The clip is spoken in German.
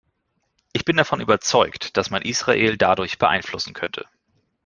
Ich bin davon überzeugt, dass man Israel dadurch beeinflussen könnte.